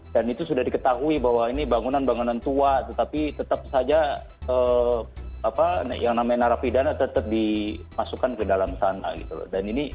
dan itu sudah diketahui bahwa ini bangunan bangunan tua tetapi tetap saja apa yang namanya narapidana tetap dimasukkan ke dalam sana gitu loh